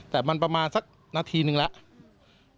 แต่มันประมาณสักนาทีนึงแล้ว